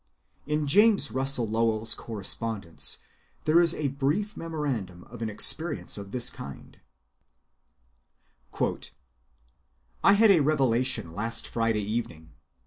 In James Russell Lowell's correspondence there is a brief memorandum of an experience of this kind:— "I had a revelation last Friday evening.